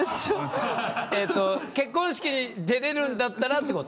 結婚式出れるんだったらってこと？